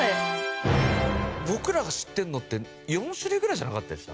僕らが知ってるのって４種類ぐらいじゃなかったでした？